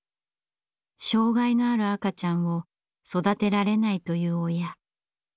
障害のある赤ちゃんを育てられないという親。